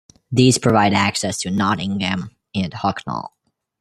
These provide access to Nottingham and Hucknall.